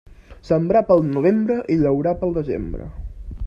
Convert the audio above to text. Sembrar pel novembre i llaurar pel desembre.